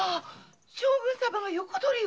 将軍様が横取りを？